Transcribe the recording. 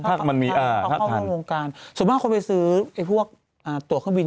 ส่วนมากคนไปซื้อไอ้พวกตัวเครื่องบิน